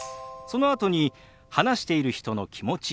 そのあとに話している人の気持ち